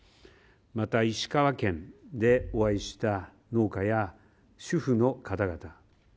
また石川県でお会いした農家や主婦の方々。